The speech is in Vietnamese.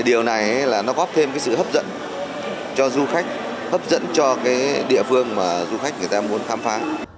điều này là nó góp thêm sự hấp dẫn cho du khách hấp dẫn cho địa phương mà du khách người ta muốn khám phá